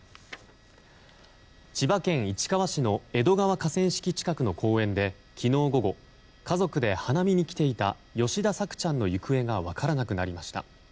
千葉県市川市の江戸川河川敷近くの公園で昨日午後家族で花見に来ていた吉田朔ちゃんの行方が分からなくなりました。